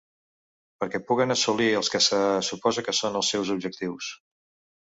Perquè puguen assolir els que se suposa que són els seus objectius.